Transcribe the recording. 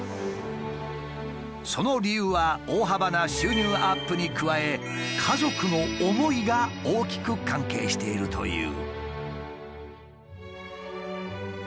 その理由は大幅な収入アップに加え家族の思いが大きく関係しているという。